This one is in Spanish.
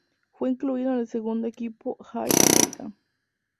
Fue incluido en en el segundo equipo All-American.